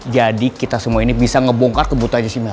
jadi kita semua ini bisa ngebongkar kebutuh aja si mel